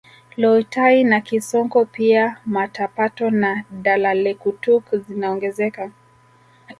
Loitai na Kisonko pia Matapato na Dalalekutuk zinaongezeka